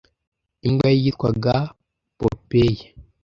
Imbwa ye yitwaga Popeye.